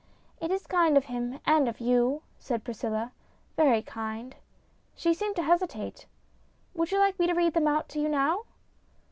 " It is kind of him and of you," said Priscilla, " very kind." She seemed to hesitate. "Would you like me to read them out to you now